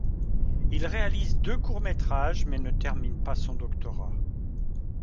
Il réalise deux courts métrages, mais ne termine pas son doctorat.